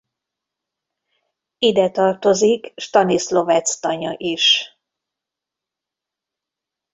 Ide tartozik Staniszlovecz-tanya is.